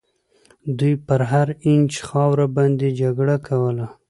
دوی پر هر اینچ خاوره باندي جګړه کوله.